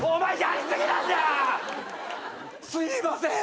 すいません！